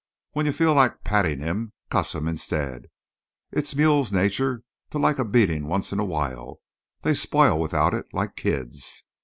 When you feel like pattin' him, cuss him instead. It's mule nature to like a beatin' once in a while; they spoil without it, like kids.